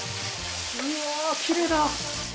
うわきれいだ！